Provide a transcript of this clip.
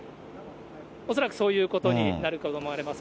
恐らくそういうことになるかと思われます。